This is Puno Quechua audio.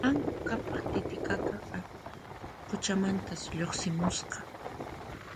Manku Qhapaqqa Titiqaqa quchamantas lluqsimusqa